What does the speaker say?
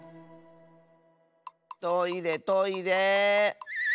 トイレトイレ。